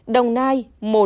một đồng nai